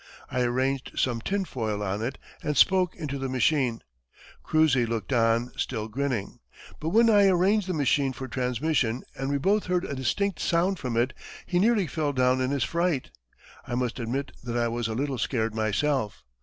I arranged some tin foil on it and spoke into the machine. Kruesi looked on, still grinning. But when I arranged the machine for transmission and we both heard a distinct sound from it, he nearly fell down in his fright. I must admit that I was a little scared myself."